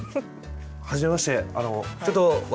はじめまして。